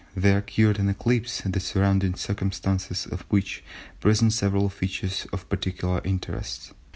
there occurred an eclipse the surrounding circumstances of which present several features of particular interest.